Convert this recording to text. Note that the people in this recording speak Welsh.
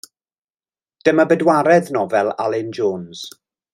Dyma bedwaredd nofel Alun Jones.